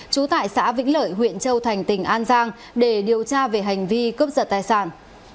trú tại xã vĩnh lợi huyện châu thành tỉnh an giang để điều tra về hành vi cướp giật tài sản